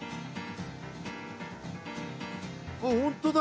あっ本当だ！